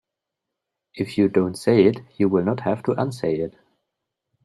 If you don't say it you will not have to unsay it.